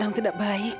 bagaimana r forme ini